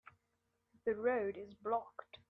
The road is blocked.